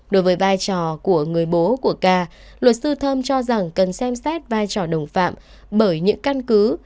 đối với vai trò của người bố của ca luật sư thơm cho rằng cần xem xét vai trò đồng phạm bởi những căn cứ